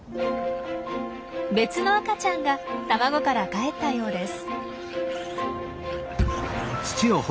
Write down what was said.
別の赤ちゃんが卵からかえったようです。